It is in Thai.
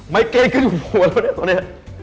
ไม้เกณฑ์ขึ้นอยู่หัวตัวเนี่ยตอนนี้